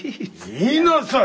言いなさい！